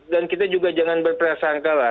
dan kita juga jangan berpersangka lah